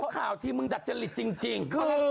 คราวที่มึงดักจริดจริง